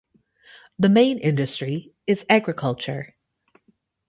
The main industry is agriculture.